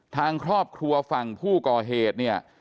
ทางครอบครัวฝั่งผู้ก่อเหตุเนี่ย